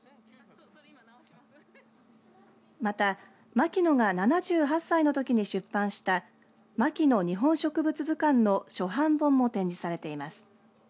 また牧野が７８歳の時に出版した牧野日本植物図鑑の初版本も展示されています。